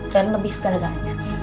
dan lebih segala galanya